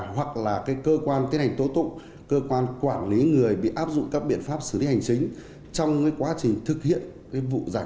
hoặc là cơ quan tiến hành tố tụng cơ quan quản lý người bị áp dụng các biện pháp xử lý hành chính trong quá trình thực hiện vụ rạch